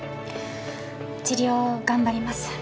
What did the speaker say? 治療頑張ります。